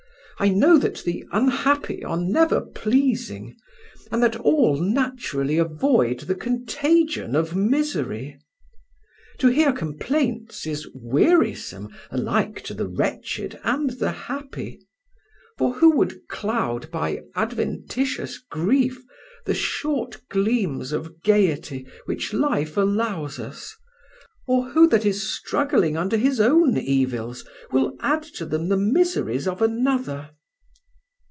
I know that the unhappy are never pleasing, and that all naturally avoid the contagion of misery. To hear complaints is wearisome alike to the wretched and the happy; for who would cloud by adventitious grief the short gleams of gaiety which life allows us, or who that is struggling under his own evils will add to them the miseries of another?